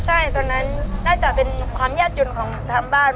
ใช่ตอนนั้นน่าจะเป็นความยากหยุ่นของทางบ้าน